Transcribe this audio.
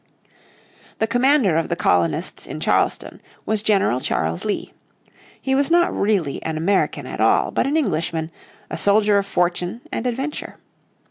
The commander of the colonists in Charleston was General Charles Lee. He was not really an American at all, but an Englishman, a soldier of fortune and adventure.